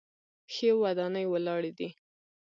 ښې ودانۍ ولاړې دي.